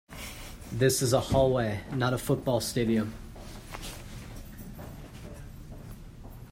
This is a hallway, not a football stadium!